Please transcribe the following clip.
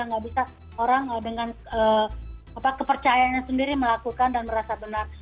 nggak bisa orang dengan kepercayaannya sendiri melakukan dan merasa benar